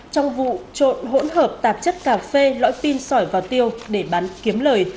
trong vụ trộn hỗn hợp tạp chất cà phê lõi pin sỏi vào tiêu để bán kiếm lời